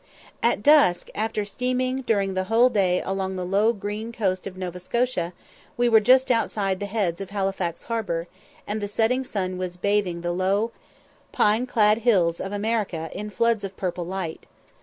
At dusk, after steaming during the whole day along the low green coast of Nova Scotia, we were just outside the heads of Halifax harbour, and the setting sun was bathing the low, pine clad hills of America in floods of purple light.